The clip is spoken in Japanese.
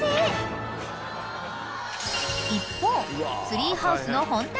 ［一方］